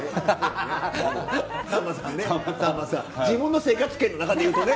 自分の生活圏の中で言うとね。